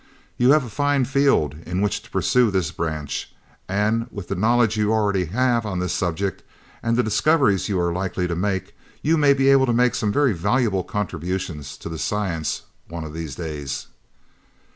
"You have a fine field in which to pursue this branch, and with the knowledge you already have on this subject and the discoveries you are likely to make, you may be able to make some very valuable contributions to the science one of these days."